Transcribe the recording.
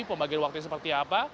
pembagian waktu seperti apa